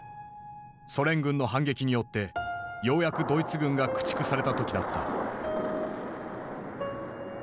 ソ連軍の反撃によってようやくドイツ軍が駆逐された時だった。